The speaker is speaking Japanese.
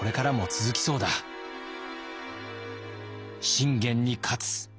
信玄に勝つ。